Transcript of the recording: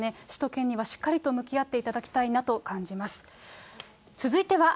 市と県にはしっかりと向き合っていただきたいなと感じます。